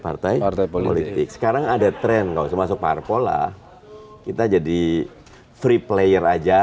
partai partai politik sekarang ada tren kau semasuk parpol ah kita jadi free player aja